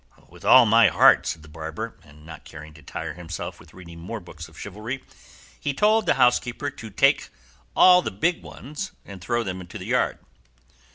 "With all my heart," said the barber; and not caring to tire himself with reading more books of chivalry, he told the housekeeper to take all the big ones and throw them into the yard.